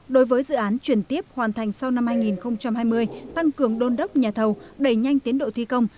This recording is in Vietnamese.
đối với dự án chuyển tiếp hoàn thành sau năm hai nghìn hai mươi tăng cường đôn đốc nhà thầu đẩy nhanh tiến độ thi công